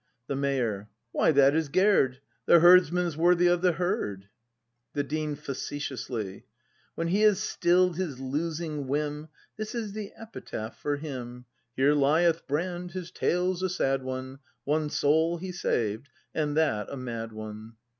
The Mayor. Why; — that is Gerd; The herdsman's worthy of the herd. The Dean. [Facetiously.] When he has still'd his losing whim. This is the epitaph for him: "Here lieth Brand; his tale's a sad one; One soul he saved, — and that a mad one!"